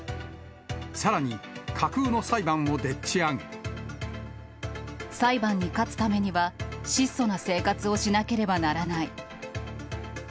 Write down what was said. さらに、裁判に勝つためには、質素な生活をしなければならない。